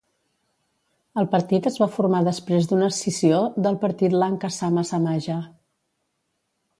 El partit es va formar després d'una escissió del partit Lanka Sama Samaja.